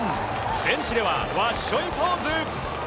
ベンチではわっしょいポーズ。